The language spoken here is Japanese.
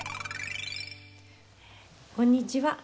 こんにちは。